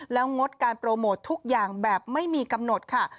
แล้วงดการโปรโมททุกอย่างแบบไม่มีกำหนดค่ะ